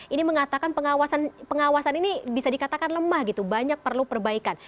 ini mengatakan pengawasan ini bisa dikatakan lemah gitu banyak perlu perbaikan